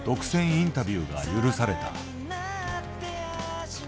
インタビューが許された。